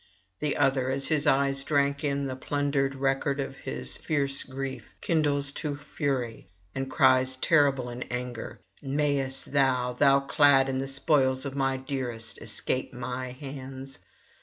The other, as his eyes drank in the plundered record of his fierce grief, kindles to fury, and cries terrible in anger: 'Mayest thou, thou clad in the spoils of my dearest, escape mine hands?